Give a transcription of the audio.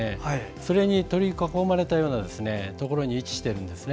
それらに取り囲まれたところに位置してるんです。